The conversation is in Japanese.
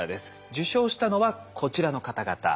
受賞したのはこちらの方々。